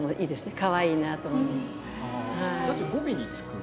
かわいいなと思って。